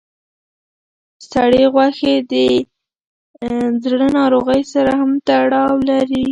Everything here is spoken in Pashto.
سرې غوښې د زړه ناروغۍ سره هم تړاو لري.